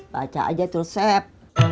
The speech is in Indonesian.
baca aja tulsep